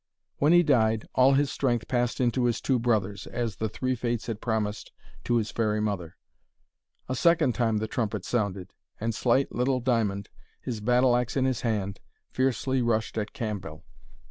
When he died, all his strength passed into his two brothers, as the Three Fates had promised to his fairy mother. A second time the trumpet sounded, and slight little Diamond, his battle axe in his hand, fiercely rushed at Cambell.